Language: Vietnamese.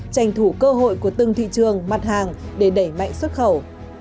trành thủ cơ hội của từng thị trường mặt hàng để đẩy mạnh suốt khẩu